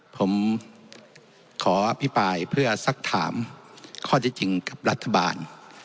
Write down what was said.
ผมขออภิปรายเพื่อสักถามข้อที่จริงกับรัฐบาล